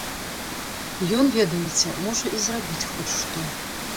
Ён, ведаеце, можа і зрабіць хоць што.